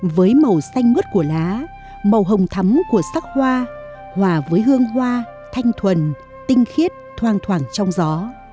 với màu xanh mướt của lá màu hồng thấm của sắc hoa hòa với hương hoa thanh thuần tinh khiết thoang thoảng trong gió